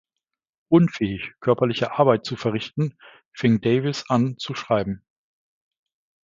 Unfähig, körperliche Arbeit zu verrichten, fing Davies an zu schreiben.